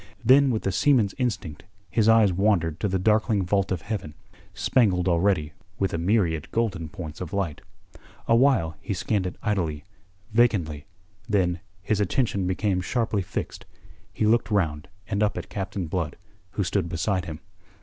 Then with the seaman's instinct his eyes wandered to the darkling vault of heaven, spangled already with a myriad golden points of light. Awhile he scanned it idly, vacantly; then, his attention became sharply fixed. He looked round and up at Captain Blood, who stood beside him.